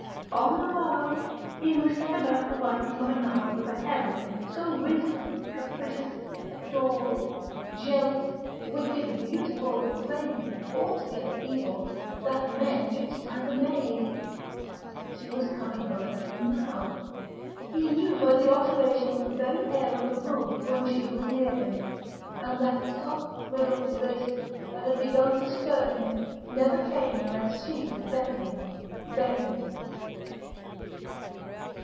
On the morrow, he must set about the writing of a novel with a heroine so winsome, capricious, adorable, jealous, wicked, beautiful, inflaming, and altogether evil, that men should stand amazed. She was coming over him now; he knew by the alteration of the very air of the room when she was near him; and that soft thrill of bliss that had begun to stir in him never came unless she was beckoning, beckoning....